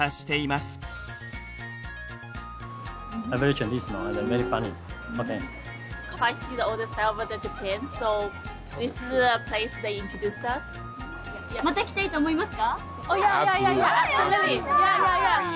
また来たいと思いますか？